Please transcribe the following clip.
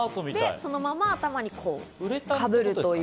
そのまま頭にかぶるという。